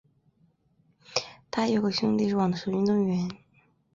她还有个兄弟是网球运动员。